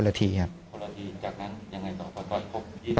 คนละทีจากนั้นยังไงต่อต่อยครบ